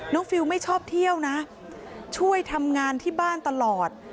ฟิลไม่ชอบเที่ยวนะช่วยทำงานที่บ้านตลอด